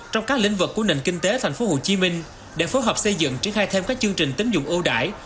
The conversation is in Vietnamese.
trong các lĩnh vực của nền kinh tế tp hcm để phối hợp xây dựng triển khai thêm các chương trình tính dụng ưu đại